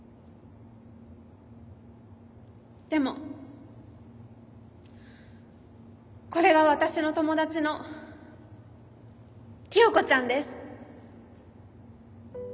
でもこれが私の友達の清子ちゃんです。